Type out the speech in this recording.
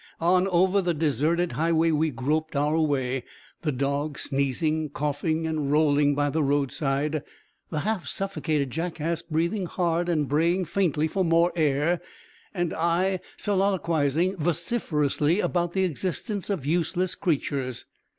On over the deserted highway we groped our way; the dog sneezing, coughing and rolling by the roadside, the half suffocated jackass breathing hard and braying faintly for more air, and I soliloquizing vociferously about the existence of useless creatures.